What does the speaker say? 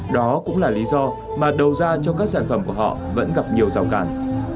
đó cũng là lý do mà đầu ra cho các sản phẩm của họ vẫn gặp nhiều rào càn